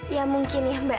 ya mungkin ya mbak